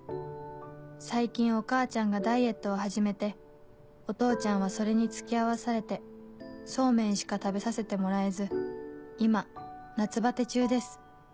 「最近お母ちゃんがダイエットを始めてお父ちゃんはそれに付き合わされてそうめんしか食べさせてもらえず今夏バテ中です」